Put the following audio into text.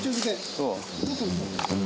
そう。